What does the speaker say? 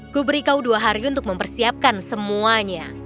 ku beri kau dua hari untuk mempersiapkan semuanya